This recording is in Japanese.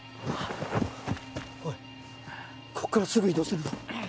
おいここからすぐ移動するぞ！